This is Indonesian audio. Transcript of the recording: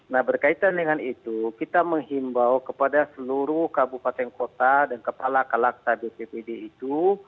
nah berkaitan dengan itu kita menghimbau kepada seluruh kabupaten kota dan kepala kalaksa bppd itu